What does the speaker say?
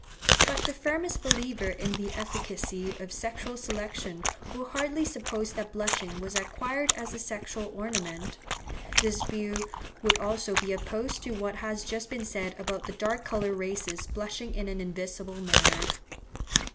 But the firmest believer in the efficacy of sexual selection will hardly suppose that blushing was acquired as a sexual ornament. This view would also be opposed to what has just been said about the dark coloured races blushing in an invisible manner.